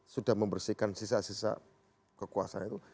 sudah membersihkan sisa sisa kekuasaan itu